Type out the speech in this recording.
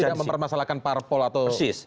jadi tidak mempermasalahkan parpol atau